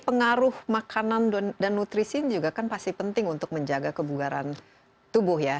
pengaruh makanan dan nutrisi ini juga kan pasti penting untuk menjaga kebugaran tubuh ya